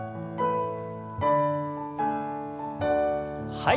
はい。